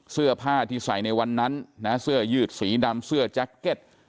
เสื้อผ้าที่ใส่ในวันนั้นนะเสื้อยืดสีดำเสื้อแจ็คเก็ต